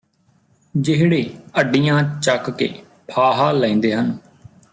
ਜਿਹੜੇ ਅੱਡੀਆਂ ਚੱਕ ਕੇ ਫਾਹਾ ਲੈਂਦੇ ਹਨ